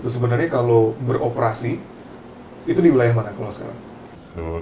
sebenarnya kalau beroperasi itu di wilayah mana kalau sekarang